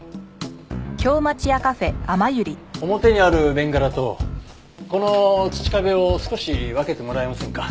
表にあるベンガラとこの土壁を少し分けてもらえませんか？